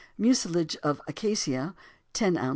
Mucilage of acacia 10 oz.